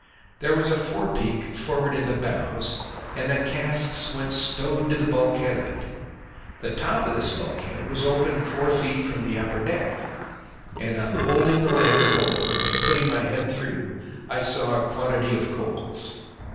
There was a forepeak forward in the bows, and the casks went stowed to the bulkhead of it; the top of this bulkhead was open four feet from the upper deck, and on holding the lanthorn over and putting my head through I saw a quantity of coals.